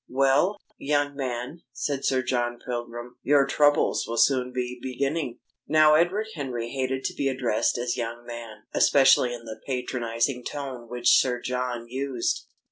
"Well, young man," said Sir John Pilgrim, "your troubles will soon be beginning." Now Edward Henry hated to be addressed as "young man," especially in the patronising tone which Sir John used.